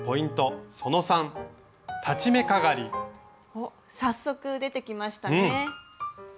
おっ早速出てきましたね。